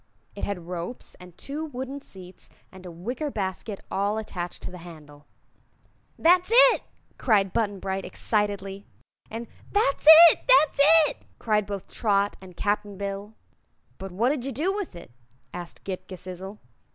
It had ropes and two wooden seats and a wicker basket all attached to the handle. "That's it!" cried Button Bright, excitedly; and "That's it!" "That's it!" cried both Trot and Cap'n Bill. "But what did you do with it?" asked Ghip Ghisizzle.